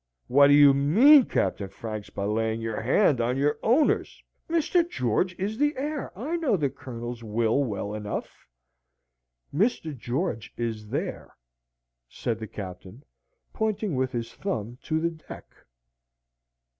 "What do you mean, Captain Franks, by laying your hand on your owners? Mr. George is the heir; I know the Colonel's will well enough." "Mr. George is there," said the Captain, pointing with his thumb to the deck.